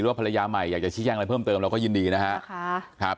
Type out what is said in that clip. หรือว่าภรรยาใหม่อยากเชี่ยงอะไรเพิ่มเติมเราก็ยินดีนะครับ